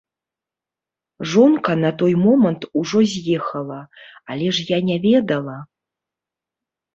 Жонка на той момант ужо з'ехала, але ж я не ведала.